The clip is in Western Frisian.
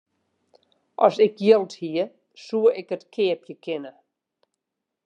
As ik jild hie, soe ik it keapje kinne.